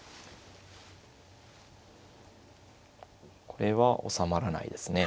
これは収まらないですね。